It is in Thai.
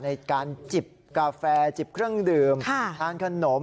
ในการจิบกาแฟจิบเครื่องดื่มทานขนม